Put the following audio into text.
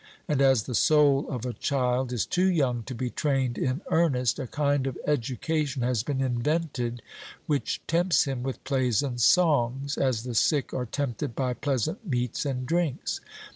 And as the soul of a child is too young to be trained in earnest, a kind of education has been invented which tempts him with plays and songs, as the sick are tempted by pleasant meats and drinks.